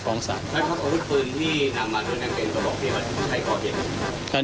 ของครอบครับ